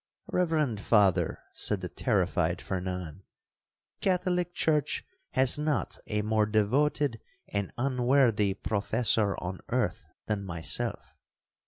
'—'Reverend Father,' said the terrified Fernan, 'the Catholic church has not a more devoted and unworthy professor on earth than myself.'